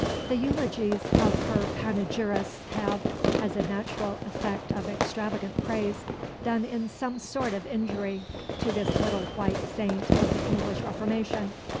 The eulogies of her panegyrists have, as a natural effect of extravagant praise, done in some sort an injury to this little white saint of the English Reformation.